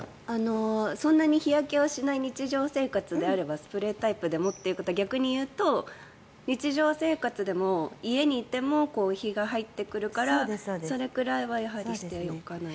そんなに日焼けをしない日常生活であればスプレータイプでもということは逆に言うと日常生活でも家にいても日が入ってくるからそれくらいはしておかないと。